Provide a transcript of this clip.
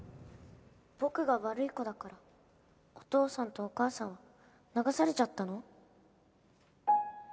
僕が悪い子だからお父さんとお母さんは流されちゃったの？